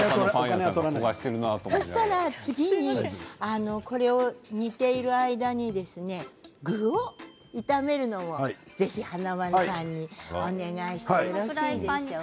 そしたら次にこれを煮ている間に具を炒めるのをぜひ華丸さんにお願いしてよろしいですか。